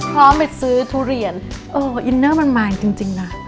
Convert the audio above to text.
พร้อมไปซื้อทุเรียนอินเนอร์มันมากจริงนะ